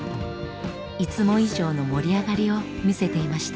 いつも以上の盛り上がりを見せていました。